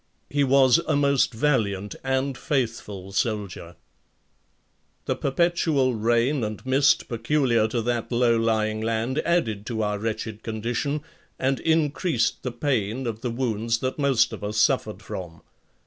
He was a most valiant and faithful soldier. The perpetual rain and mist peculiar to that low lying land added to our wretched condition and increased the pain of the wounds that most of us suffered from.